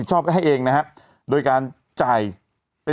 ชอบคุณครับ